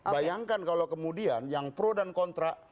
bayangkan kalau kemudian yang pro dan kontra